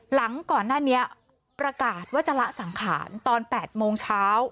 หลังก่อนหน้านี้ประกาศว่าจะละสังขารตอน๘โมงเช้า